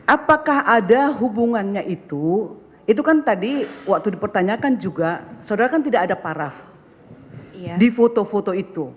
apakah ada hubungannya itu itu kan tadi waktu dipertanyakan juga saudara kan tidak ada paraf di foto foto itu